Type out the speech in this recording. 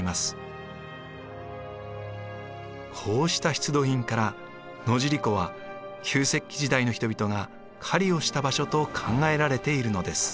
こうした出土品から野尻湖は旧石器時代の人々が狩りをした場所と考えられているのです。